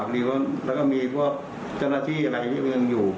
พอดีว่าแล้วก็มีพวกเจ้าหน้าที่อะไรอยู่